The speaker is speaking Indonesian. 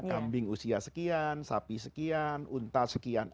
kambing usia sekian sapi sekian unta sekian